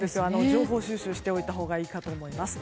情報収集しておいたほうがいいかと思います。